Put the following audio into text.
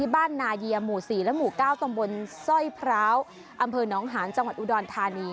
บ้านนาเยียหมู่๔และหมู่๙ตำบลสร้อยพร้าวอำเภอน้องหานจังหวัดอุดรธานี